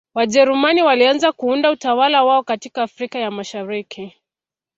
Wajerumani walianza kuunda utawala wao katika Afrika ya Mashariki